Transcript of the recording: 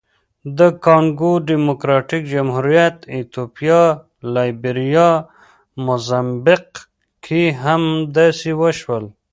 د کانګو ډیموکراتیک جمهوریت، ایتوپیا، لایبیریا، موزمبیق کې هم داسې وشول.